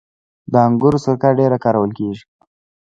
د انګورو سرکه ډیره کارول کیږي.